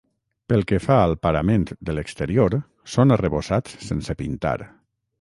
Pel que fa al parament de l'exterior són arrebossats sense pintar.